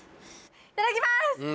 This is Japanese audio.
いただきます！